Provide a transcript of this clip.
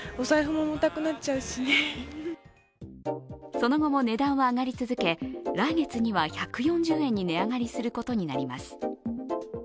その後も値段は上がり続け、来月には１４０円に値上がりすることになります。